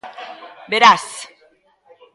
Verás.